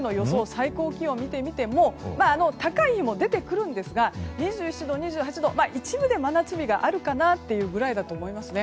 最高気温を見てみても高い日も出てくるんですが２７度２８度一部で真夏日があるかなぐらいだと思います。